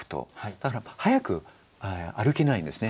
だから早く歩けないんですね。